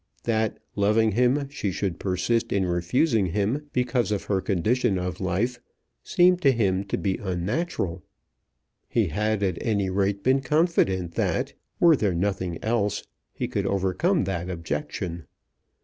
That, loving him, she should persist in refusing him because of her condition of life, seemed to him to be unnatural. He had, at any rate, been confident that, were there nothing else, he could overcome that objection.